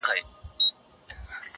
o چي هوس و، نو دي بس و٫